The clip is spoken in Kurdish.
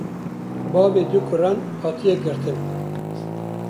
bavê dû kûran hatiye girtin